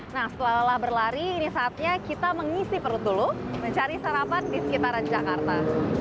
nah setelah lelah berlari ini saatnya kita mengisi perut dulu mencari sarapan di sekitaran jakarta